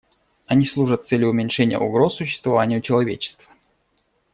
Они служат цели уменьшения угроз существованию человечества.